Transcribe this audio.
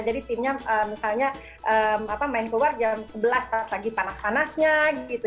jadi timnya misalnya apa main keluar jam sebelas terus lagi panas panasnya gitu